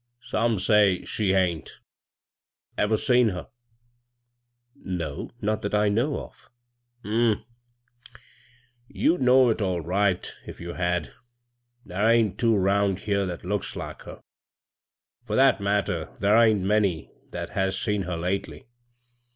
" Some say she hain't. Ever seen her ?"" No — not that I know of." " Humph 1 You'd know it all right if you had. Thar ain't two 'round here that looks like her. For that matter, thar ain't many that has seen her lately.